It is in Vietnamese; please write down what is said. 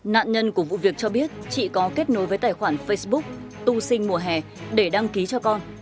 nạn nhân của vụ việc cho biết chị có kết nối với tài khoản facebook tu sinh mùa hè để đăng ký cho con